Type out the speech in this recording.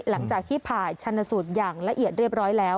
หลังจากที่ผ่าชนสูตรอย่างละเอียดเรียบร้อยแล้ว